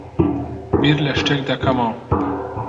بیر لە شتێک دەکەمەوە.